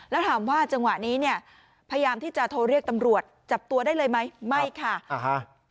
แล้วถามว่าจังหวะนี้เนี่ยพยายามที่จะโทรเรียกตำรวจจับตัวได้เลยไหมไม่ค่ะอ่าฮะ